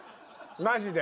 マジで。